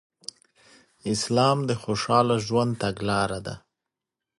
اسلام د خوشحاله ژوند تګلاره ده